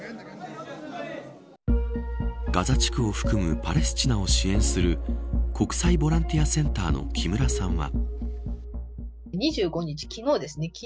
ガザ地区を含むパレスチナを支援する国際ボランティアセンターの木村さんは。